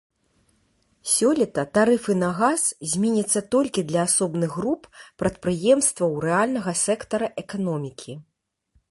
Сёлета тарыфы на газ зменяцца толькі для асобных груп прадпрыемстваў рэальнага сектара эканомікі.